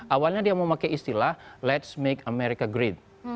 awalnya dia memakai istilah let's make america great